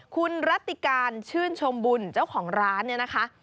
คุณรัติการชื่นชมบุญเจ้าของร้านเนี่ยนะคะ